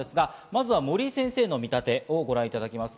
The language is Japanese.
まず森井先生の見立てです。